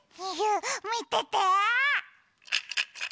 みてて！